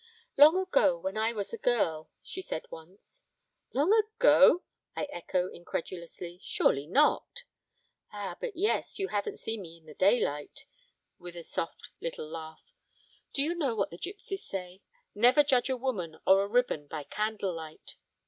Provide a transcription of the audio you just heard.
'Long ago when I was a girl,' she said once. 'Long ago?' I echo incredulously, 'surely not?' 'Ah, but yes, you haven't seen me in the daylight,' with a soft little laugh. 'Do you know what the gipsies say? "Never judge a woman or a ribbon by candle light."